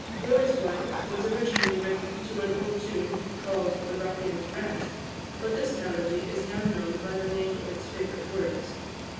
"Roy's Wife" was originally written to an old tune called the "Ruffian's Rant," but this melody is now known by the name of its favourite words.